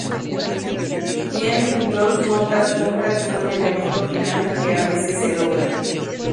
Tien dos notas juntas y un elemento final que a veces se dobla.